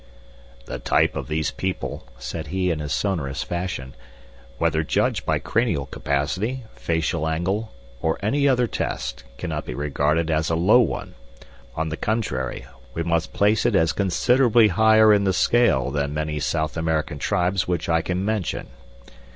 "The type of these people," said he in his sonorous fashion, "whether judged by cranial capacity, facial angle, or any other test, cannot be regarded as a low one; on the contrary, we must place it as considerably higher in the scale than many South American tribes which I can mention.